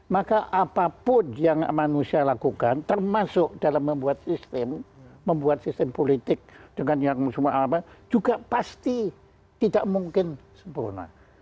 maka apapun yang manusia lakukan termasuk dalam membuat sistem membuat sistem politik dengan yang semua apa juga pasti tidak mungkin sempurna